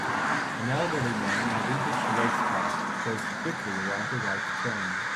An elderly man in a vintage race car goes quickly around a right turn.